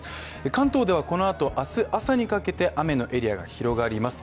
関東ではこのあとあす朝にかけて雨のエリアが広がります